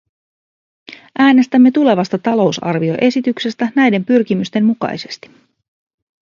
Äänestämme tulevasta talousarvioesityksestä näiden pyrkimysten mukaisesti.